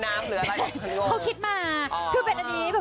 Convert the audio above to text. กับเพลงที่มีชื่อว่ากี่รอบก็ได้